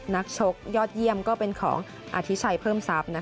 นักชกยอดเยี่ยมก็เป็นของอธิชัยเพิ่มทรัพย์